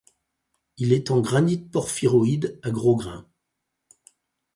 Il est en granite porphyroïde à gros grains.